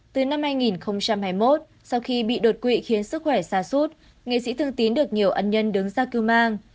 từ năm hai nghìn hai mươi một sau khi bị đột quỵ khiến sức khỏe xa suốt nghệ sĩ thương tín được nhiều ân nhân đứng ra cư mang